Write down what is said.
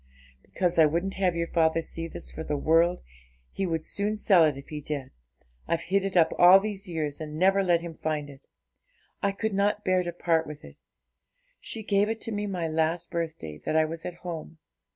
'Because I wouldn't have your father see this for the world; he would soon sell it if he did. I've hid it up all these years, and never let him find it. I could not bear to part with it; she gave it to me my last birthday that I was at home.